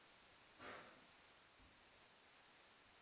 Como compositor y ex trompetista, escribe principalmente para los metales.